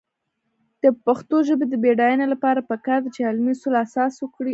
د پښتو ژبې د بډاینې لپاره پکار ده چې علمي اصول اساس وګرځي.